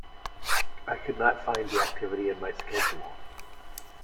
I could not find the activity in my Schedule.